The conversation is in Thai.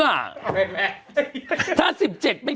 เอาเป็นแม่